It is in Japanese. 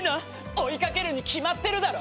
追い掛けるに決まってるだろ。